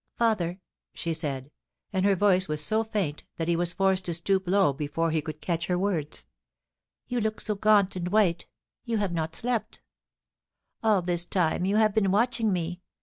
* Father,' she said, and her voice was so faint that he was forced to stoop low before he could catch her words, ' you look so gaunt and white — you have not slept All this time you have been watching me